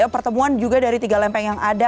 pertemuan juga dari tiga lempeng yang ada